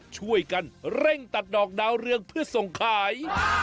ช่วยกันเร่งตัดดอกดาวเรืองเพื่อส่งขาย